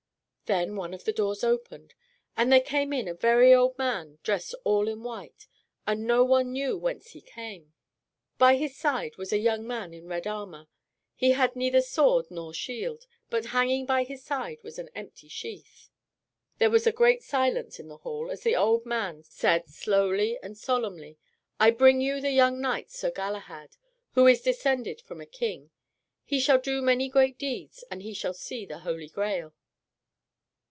Then one of the doors opened, and there came in a very old man dressed all in white, and no one knew whence he came. By his side was a young man in red armor. He had neither sword nor shield, but hanging by his side was an empty sheath. There was a great silence in the hall as the old man said, slowly and solemnly, "I bring you the young knight Sir Galahad, who is descended from a king. He shall do many great deeds, and he shall see the Holy Grail."